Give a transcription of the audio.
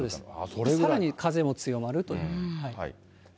さらに風も強まると。